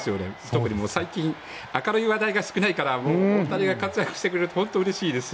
特に最近、明るい話題が少ないから大谷が活躍してくれると本当にうれしいです。